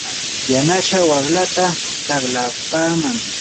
yanasaa waqtataa taqlapaman.